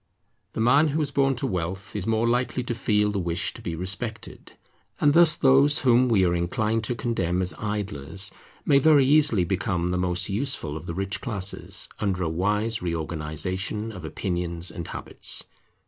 The man who is born to wealth is more likely to feel the wish to be respected. And thus those whom we are inclined to condemn as idlers may very easily become the most useful of the rich classes, under a wise reorganization of opinions and habits.